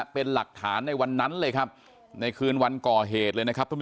เป็นหลักฐานในวันนั้นในคืนวันต่อเหตุ